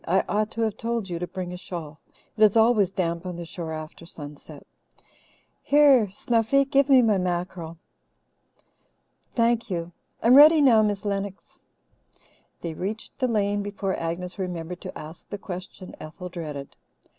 "I ought to have told you to bring a shawl. It is always damp on the shore after sunset. Here, Snuffy, give me my mackerel. Thank you. I'm ready now, Miss Lennox." They reached the lane before Agnes remembered to ask the question Ethel dreaded.